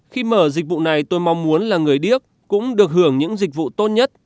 khi mở dịch vụ này tôi mong muốn là người điếc cũng được hưởng những dịch vụ tốt nhất